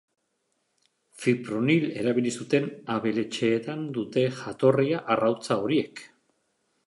Fipronil erabili zuten abeletxeetan dute jatorria arrautza horiek.